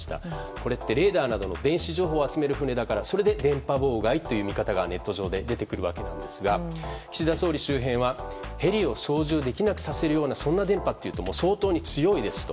これってレーダーなどの電子情報を集める船だからそれで電波妨害という見方がネット上で出てくるわけですが岸田総理周辺はヘリを操縦できなくさせるようなそんな電波というと相当に強いですと。